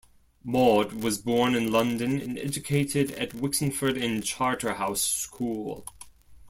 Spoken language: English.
Maude was born in London and educated at Wixenford and Charterhouse School.